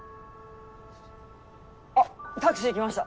あっタクシー来ました